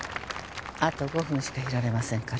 あと５分しかいられませんから。